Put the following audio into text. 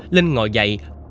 linh ngồi dậy